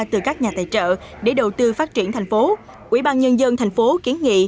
từ các nhà tài trợ để đầu tư phát triển thành phố quỹ ban nhân dân thành phố kiến nghị